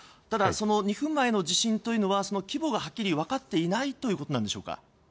ただ、その２分前の地震は規模がはっきり分かっていないということでしょうか。